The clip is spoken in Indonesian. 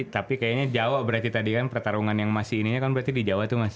tapi kayaknya jawa berarti tadi kan pertarungan yang masih ininya kan berarti di jawa tuh mas